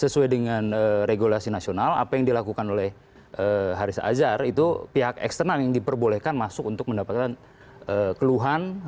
sesuai dengan regulasi nasional apa yang dilakukan oleh haris azhar itu pihak eksternal yang diperbolehkan masuk untuk mendapatkan keluhan